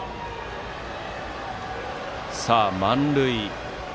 満塁。